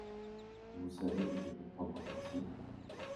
Vous savez où je peux prendre un taxi ?